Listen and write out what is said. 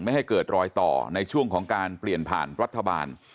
ไม่ให้เกิดรอยต่อในช่วงของการเปลี่ยนผ่านรัฐบาล